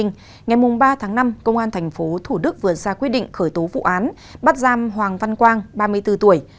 ngày ba tháng năm công an tp thủ đức vừa ra quyết định khởi tố vụ án bắt giam hoàng văn quang ba mươi bốn tuổi